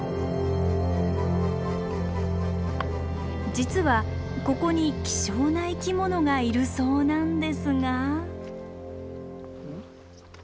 実はここに希少な生き物がいるそうなんですが。